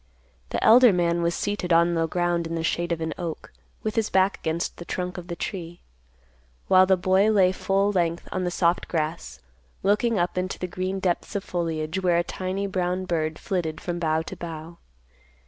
The elder man was seated on the ground in the shade of an oak, with his back against the trunk of the tree, while the boy lay full length on the soft grass, looking up into the green depths of foliage where a tiny brown bird flitted from bough to bough.